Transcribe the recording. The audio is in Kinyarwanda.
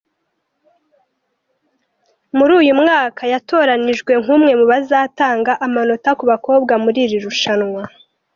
Muri uyu mwaka yatoranyijwe nk’umwe mu bazatanga amanota ku bakobwa muri iri rushanwa.